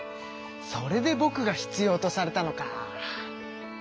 それでぼくが必要とされたのか。